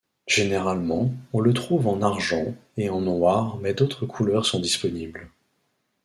Généralement, on le trouve en argent et en noir mais d'autres couleurs sont disponibles.